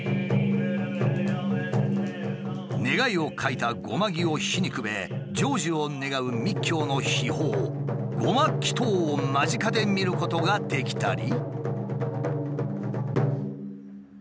願いを書いた護摩木を火にくべ成就を願う密教の秘法護摩祈祷を間近で見ることができたり。